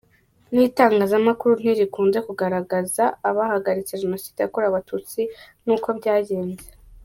N’itangazamakuru ntirikunze kugaragaza abahagaritse jenoside yakorewe Abatutsi n’uko byagenze.